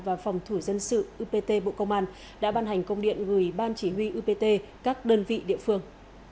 và phòng thủ dân sự upt bộ công an đã ban hành công điện gửi ban chỉ huy upt các đơn vị địa phương